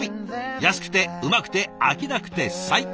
安くてうまくて飽きなくて最高！